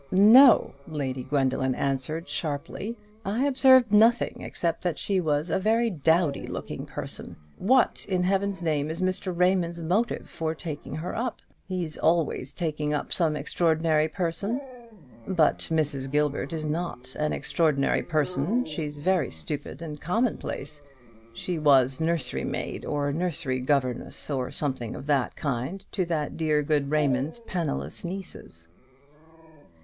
"No!" Lady Gwendoline answered, sharply; "I observed nothing except that she was a very dowdy looking person. What, in Heaven's name, is Mr. Raymond's motive for taking her up? He's always taking up some extraordinary person." "But Mrs. Gilbert is not an extraordinary person: she's very stupid and commonplace. She was nursery maid, or nursery governess, or something of that kind, to that dear good Raymond's penniless nieces."